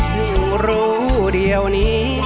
รู้เดี๋ยวนี้